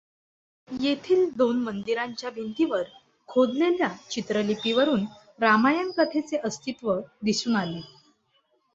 येथील दोन मंदिरांच्या भिंतीवर खोदलेल्या चित्रलिपीवरून रामायण कथेचे अस्तित्व दिसून आले.